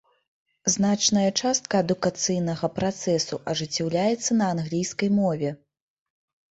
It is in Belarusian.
Значная частка адукацыйнага працэсу ажыццяўляецца на англійскай мове.